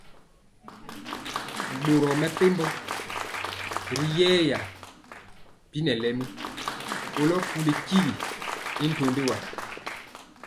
Boro mɛ pɛmbɔ rori yɛɛ bi nɛ lɛmi kolo pulu tyigi y ntɔndi wa.